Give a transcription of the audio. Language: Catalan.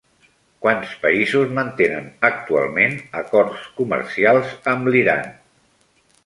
Quants països mantenen actualment acords comercials amb l'Iran?